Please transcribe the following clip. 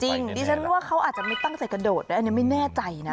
ดิฉันว่าเขาอาจจะไม่ตั้งใจกระโดดด้วยอันนี้ไม่แน่ใจนะ